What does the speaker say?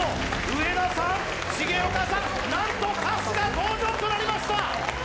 上田さん、重岡さん、なんと春日登場となりました。